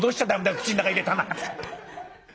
口の中入れたのは！」。